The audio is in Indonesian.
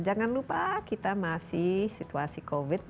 jangan lupa kita masih situasi covid